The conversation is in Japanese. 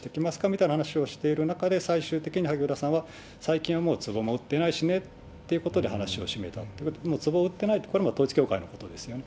みたいな話をしている中で、最終的に萩生田さんは、最近はもうつぼも売ってないしねということで話をしめたと、つぼを売ってない、これは統一教会のことですね。